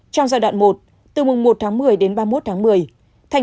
trong giai đoạn một từ mùng một tháng một mươi đến ba mươi một tháng một mươi